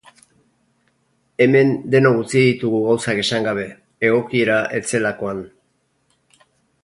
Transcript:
Hemen denok utzi ditugu gauzak esan gabe, egokiera ez zelakoan.